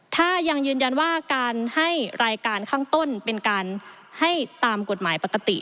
ถ้ายังยืนยันว่าการให้รายการข้างต้นเป็นการให้ตามกฎหมายปกติ